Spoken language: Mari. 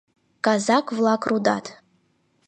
Казак-влак рудат.